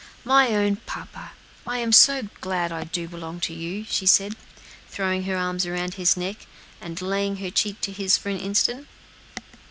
"My own papa! I'm so glad I do belong to you," she said, throwing her arms around his neck, and laying her cheek to his for an instant.